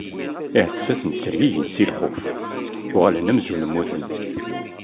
Iɛessasen ttergigin si lxuf, uɣalen amzun mmuten.